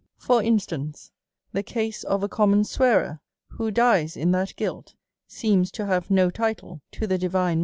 >k.Hv(" For instance, the case of a common swearer, who ^"M'^.. .iii^s in that guilt, seems to have no title to the divine